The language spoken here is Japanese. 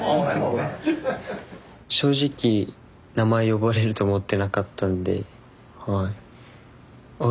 正直名前呼ばれると思ってなかったんではい。